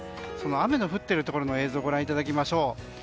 雨の降っているところの映像をご覧いただきましょう。